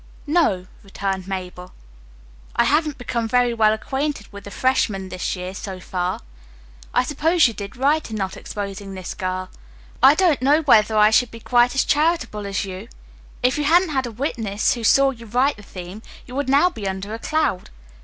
"No," returned Mabel. "I haven't become very well acquainted with the freshmen this year, so far. I suppose you did right in not exposing this girl. I don't know whether I should be quite as charitable as you. If you hadn't had a witness who saw you write the theme, you would now be under a cloud.